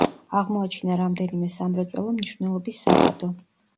აღმოაჩინა რამდენიმე სამრეწველო მნიშვნელობის საბადო.